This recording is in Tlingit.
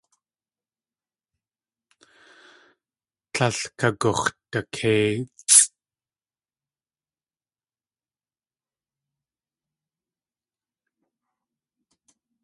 Tlél kagux̲dakéitsʼ.